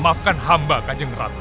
maafkan hamba kajeng ratu